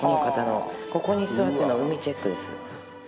ここに座っての海チェックです